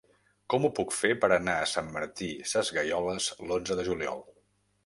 Com ho puc fer per anar a Sant Martí Sesgueioles l'onze de juliol?